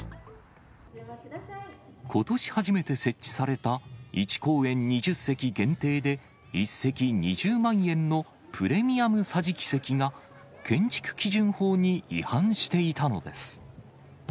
ことし初めて設置された、１公演２０席限定で、１席２０万円のプレミアム桟敷席が、建築基準法に違反していたのです。